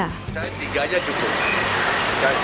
saya tiga aja cukup